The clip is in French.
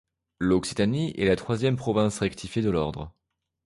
L'Occitanie est la troisième province rectifiée de l'ordre.